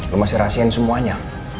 lu masih rahasiain semuanya